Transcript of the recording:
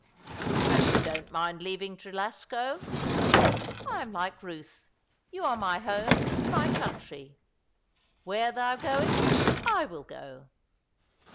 " And you don't mind leaving Trelasco ?" "I am like Euth. You are my home and my country. Where thou goest I will go."